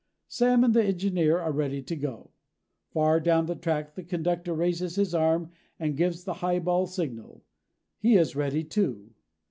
Sam and the engineer are ready to go. Far down the track the conductor raises his arm and gives the highball signal. He is ready, too.